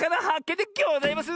んでギョざいます！